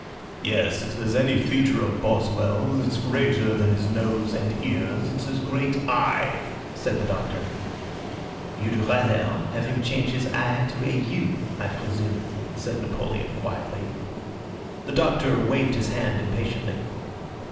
"Yes. If there's any feature of Boswell that's greater than his nose and ears, it's his great I," said the Doctor. "You'd rather have him change his I to a U, I presume," said Napoleon, quietly. The Doctor waved his hand impatiently.